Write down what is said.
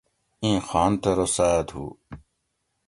ایں خان تہ روسۤد ہو